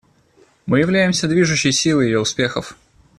Мы являемся движущей силой ее успехов.